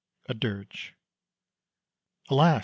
_ A DIRGE. Alas!